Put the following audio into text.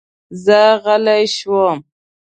زه غلی شوم.